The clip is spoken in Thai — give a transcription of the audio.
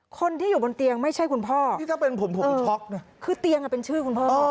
คนที่อยู่บนเตียงไม่ใช่คุณพ่อคือเตียงเป็นชื่อคุณพ่อ